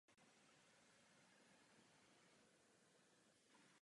Strom původem z Japonska a východní Číny.